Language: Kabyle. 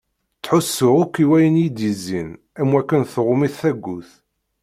Ttḥussuɣ akk i wayen yi-d-yezzin am wakken tɣumm-it tagut.